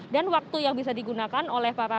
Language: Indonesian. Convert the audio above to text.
dan waktu yang bisa digunakan oleh para pengguna